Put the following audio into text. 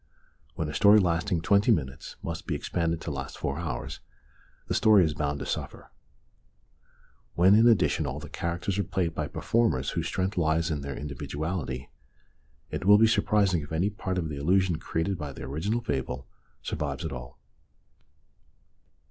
When a story lasting twenty minutes must be expanded to last four hours the story is bound to suffer. When, in addition, all the characters are played by performers whose strength lies in their individuality, it will be surprising if any part of the illusion created by the original fable survives at all.